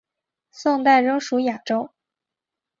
宋代仍属雅州。